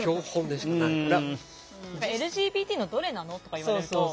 「ＬＧＢＴのどれなの？」とか言われるとどれか。